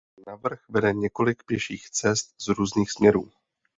Na vrch vede několik pěších cest z různých směrů.